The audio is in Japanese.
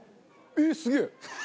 えっすげえ！